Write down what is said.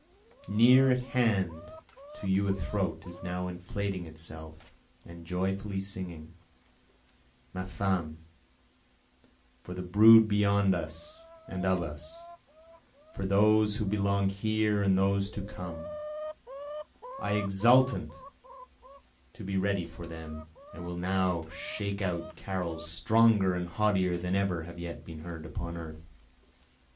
near at hand to you a throat is now inflating itself and joyfully singing. Ma femme! for the brood beyond us and of us, For those who belong here and those to come, I exultant to be ready for them will now shake out carols stronger and haughtier than have ever yet been heard upon earth.